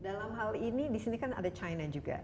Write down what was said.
dalam hal ini disini kan ada china juga